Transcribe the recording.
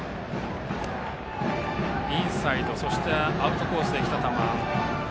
インサイド、そしてアウトコースへ来た球。